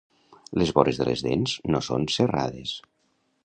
Les vores de les dents no són serrades.